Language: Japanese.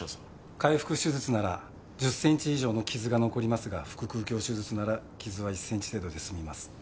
開腹手術なら１０センチ以上の傷が残りますが腹腔鏡手術なら傷は１センチ程度で済みますって。